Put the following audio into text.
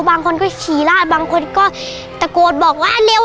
บางคนก็ขี่ลาดบางคนก็ตะโกนบอกว่าเร็ว